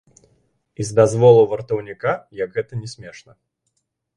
І з дазволу вартаўніка, як гэта ні смешна.